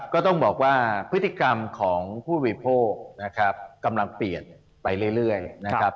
ก็ต้องบอกว่าพฤติกรรมของผู้บริโภคนะครับกำลังเปลี่ยนไปเรื่อยนะครับ